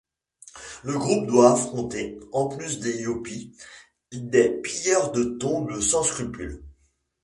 Le groupe doit affronter, en plus des Yaupis, des pilleurs de tombes sans scrupule.